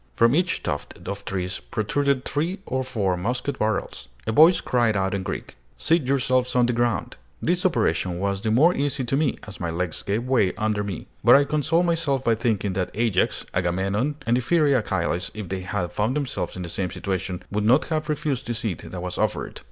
From each tuft of trees protruded three or four musket barrels. A voice cried out in Greek, "Seat yourselves on the ground!" This operation was the more easy to me, as my legs gave way under me. But I consoled myself by thinking that Ajax, Agamemnon, and the fiery Achilles, if they had found themselves in the same situation, would not have refused the seat that was offered.